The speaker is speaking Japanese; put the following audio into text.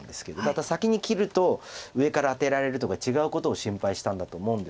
また先に切ると上からアテられるとか違うことを心配したんだと思うんですけれども。